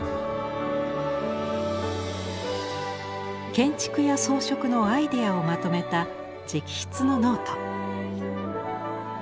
建築や装飾のアイデアをまとめた直筆のノート。